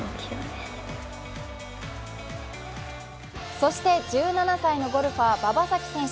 そして１７歳のゴルファー、馬場咲希選手。